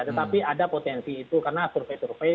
tetapi ada potensi itu karena survei survei